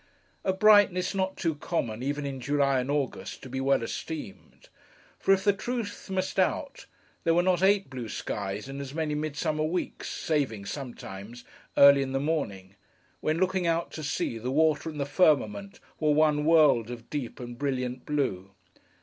A brightness not too common, even in July and August, to be well esteemed: for, if the Truth must out, there were not eight blue skies in as many midsummer weeks, saving, sometimes, early in the morning; when, looking out to sea, the water and the firmament were one world of deep and brilliant blue.